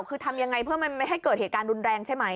คือทำยังไงเพื่อไม่ให้เกิดเหตุการณ์รุนแรงใช่ไหม